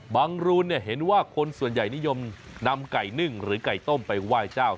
รูนเห็นว่าคนส่วนใหญ่นิยมนำไก่นึ่งหรือไก่ต้มไปไหว้เจ้า